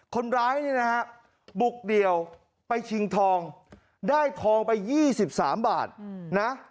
คนร้ายเนี่ยนะฮะบุกเดี่ยวไปชิงทองได้ทองไป๒๓บาทนะ